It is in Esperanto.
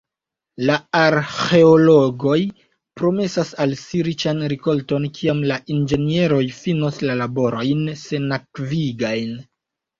La arĥeologoj promesas al si riĉan rikolton, kiam la inĝenieroj finos la laborojn senakvigajn.